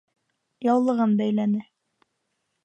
Яулығын бәйләне.